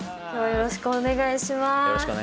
よろしくお願いします。